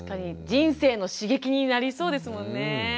人生の刺激になりそうですもんね。